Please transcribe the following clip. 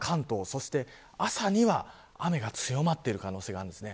そして朝には雨が強まっている可能性があります。